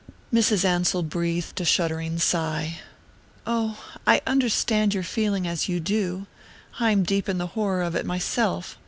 Mrs. Ansell breathed a shuddering sigh. "Oh, I understand your feeling as you do I'm deep in the horror of it myself.